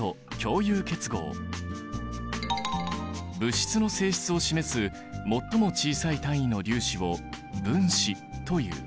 物質の性質を示す最も小さい単位の粒子を分子という。